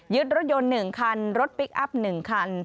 รถยนต์๑คันรถพลิกอัพ๑คัน